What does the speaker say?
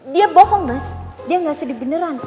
dia bohong mas dia gak sedih beneran